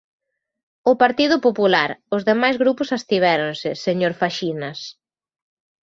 O Partido Popular, os demais grupos abstivéronse, señor Faxinas.